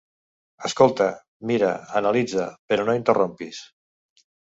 Escolta, mira, analitza... Però no interrompis!